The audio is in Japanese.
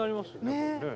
これねえ。